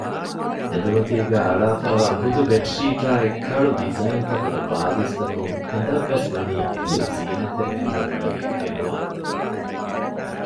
އެނދުމަތީގައި އަޅާފައިވާ ހުދު ބެޑްޝީޓާއި ކަޅު ޑިޒައިންތަކުގެ ބާލީސް ތަކުން އެނދަށްވެސް ވަނީ އިތުރު ޒީނަތްތެރިކަމެއްވަނީ ގެނުވާފަ